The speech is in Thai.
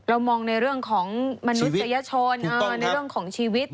เรามองในเรื่องของมนุษยชนในเรื่องของชีวิตถูกต้องครับ